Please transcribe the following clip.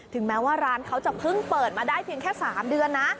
แม้ว่าร้านเขาจะเพิ่งเปิดมาได้เพียงแค่๓เดือนนะ